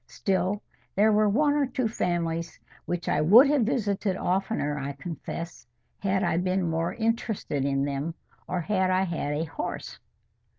Still there were one or two families which I would have visited oftener, I confess, had I been more interested in them, or had I had a horse.